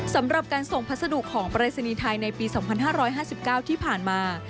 สำหรับการส่งพัสดุของปรายศนีย์ไทยในปี๒๕๕๙ที่ผ่านมา